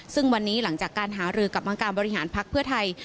ซึ่งวันนี้หลังจากการหารือกับมังการบริหารพักเพื่อไทย